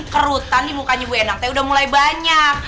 kerutan di mukanya buendang teh udah mulai banyak